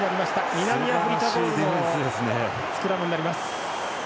南アフリカボールのスクラムになります。